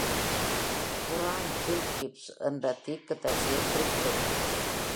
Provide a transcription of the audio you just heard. குர்ஆன் ஜுல்-கிஃப்ல் என்ற தீர்க்கதரிசியைக் குறிப்பிடுகிறது.